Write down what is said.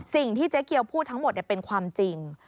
สิ่งที่เจ๊เกียวพูดทั้งหมดเนี่ยเป็นความจริง